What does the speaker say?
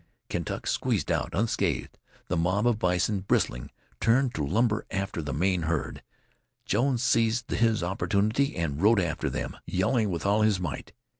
Kentuck squeezed out unscathed. The mob of bison, bristling, turned to lumber after the main herd. Jones seized his opportunity and rode after them, yelling with all his might.